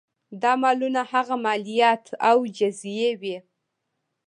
دا مالونه هغه مالیات او جزیې وې.